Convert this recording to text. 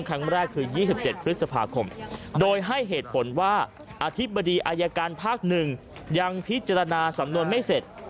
ครั้งแรกคือ๒๗พฤษภาคมโดยให้เหตุผลว่าอธิบดีอายการภาค๑ยังพิจารณาสำนวนไม่เสร็จ